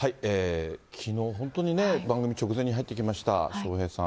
きのう、本当にね、番組直前に入ってきました、笑瓶さん。